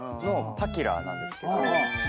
パキラなんですけど。